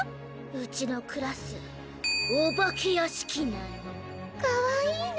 うちのクラスお化け屋敷なのかわいいね